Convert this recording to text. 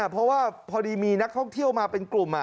เพราะว่าพอดีมีนักท่องเที่ยวมาเป็นกลุ่ม